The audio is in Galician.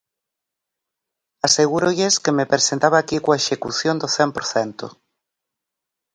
Asegúrolles que me presentaba aquí coa execución do cen por cento.